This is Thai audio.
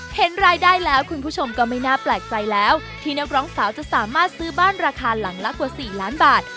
เห็นรายได้แล้วคุณผู้ชมก็ไม่น่าแปลกใจแล้วที่นักร้องสาวจะสามารถซื้อบ้านราคาหลังละกว่า๔ล้านบาท